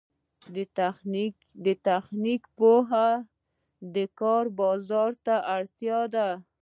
تخنیکي پوهه د کار بازار ته اړتیا ده